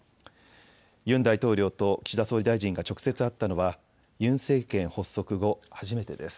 ユン大統領と岸田総理大臣が直接会ったのはユン政権発足後初めてです。